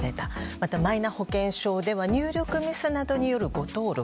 またマイナ保険証では入力ミスなどによる誤登録。